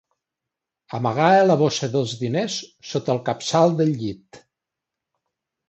Amagava la bossa dels diners sota el capçal del llit.